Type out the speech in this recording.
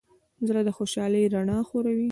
زړه د خوشحالۍ رڼا خوروي.